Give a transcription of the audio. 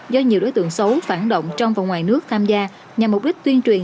do nhiều đối tượng xấu phản động trong và ngoài nước tham gia nhằm mục đích tuyên truyền